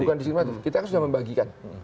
bukan diskritik kita kan sudah membagikan